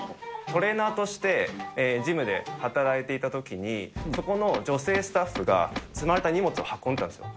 トレーナーとしてジムで働いていたときに、そこの女性スタッフが、積まれた荷物を運んでいたんですよ。